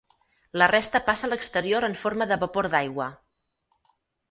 La resta passa a l'exterior en forma de vapor d'aigua.